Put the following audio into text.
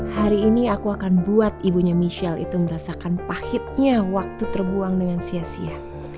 hari ini aku akan buat ibunya michelle itu merasakan pahitnya waktu terbuang dengan sia sia